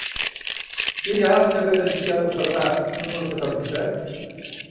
Què hi ha al carrer de Miquel Ferrà número setanta-set?